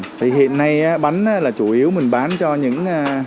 thì hiện nay bánh là chủ yếu mình bán cho những